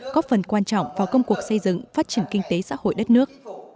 có phần quan trọng vào công cuộc xây dựng phát triển kinh tế xã hội đất nước